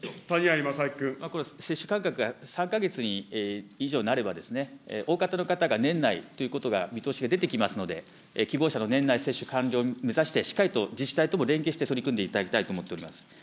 これ、接種間隔が３か月以上になれば、大方の方が年内ということが見通しが出てきますので、希望者の年内接種完了を目指してしっかりと自治体とも連携して取り組んでいただきたいと思っております。